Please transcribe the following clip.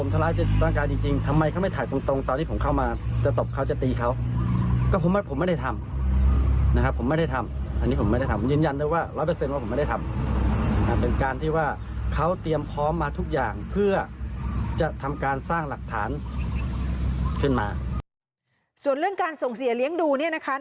ส่วนเรื่องการส่งเสียเลี้ยงของพี่นิดนึง